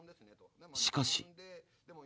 しかし。